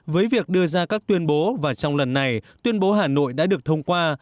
với việc đưa ra các tuyên bố và trong lần này tuyên bố hà nội đã được thông qua